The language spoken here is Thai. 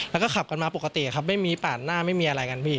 แล้วก็ขับกันมาปกติครับไม่มีปาดหน้าไม่มีอะไรกันพี่